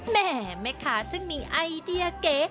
แม่ค้าจึงมีไอเดียเก๋